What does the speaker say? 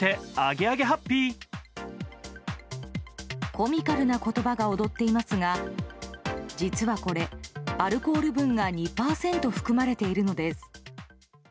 コミカルな言葉が躍っていますが実はこれ、アルコール分が２％含まれているのです。